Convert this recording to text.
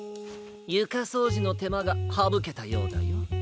ゆかそうじのてまがはぶけたようだよ。